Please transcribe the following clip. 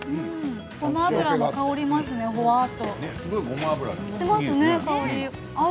ごま油も香りますねほわっと。